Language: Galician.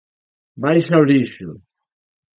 Baixa o lixo